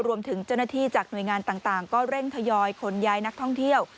รวมถึงเจ้าหน้าที่จากหน่วยงานต่างก็เร่งทยอยขนย้ายนักท่องเที่ยว